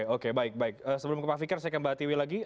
oke baik baik sebelum ke pak fikir saya ke mbak tiwi lagi